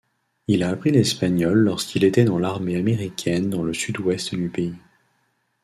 Il a appris l'espagnol lorsqu'il était dans l'armée américaine dans le Sud-Ouest du pays.